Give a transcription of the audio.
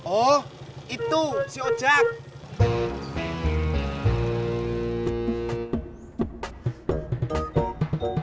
oh itu si ojak